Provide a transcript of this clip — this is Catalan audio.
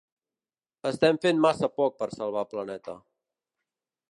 Estem fent massa poc per salvar el planeta.